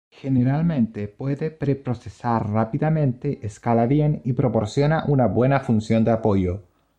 Generalmente puede pre-procesar rápidamente, escala bien, y proporciona una buena función de apoyo.